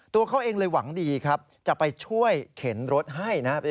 ตัวเขาเองเลยหวังดีครับจะไปช่วยเข็นรถให้นะครับ